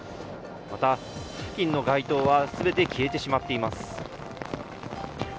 また付近の街灯は全て消えてしまっています。